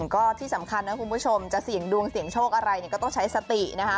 ก็ที่สำคัญนะคุณผู้ชมจะเสี่ยงดวงเสี่ยงโชคอะไรเนี่ยก็ต้องใช้สตินะคะ